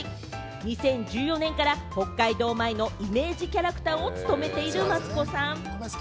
２０１４年から北海道米のイメージキャラクターを務めているマツコさん。